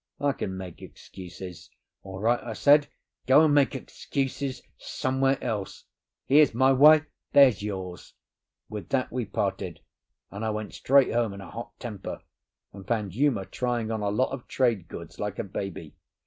I can make excuses." "All right," I said, "go and make excuses somewhere else. Here's my way, there's yours!" With that we parted, and I went straight home, in a hot temper, and found Uma trying on a lot of trade goods like a baby.